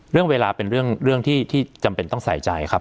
เรื่องเวลาเป็นเรื่องที่จำเป็นต้องใส่ใจครับ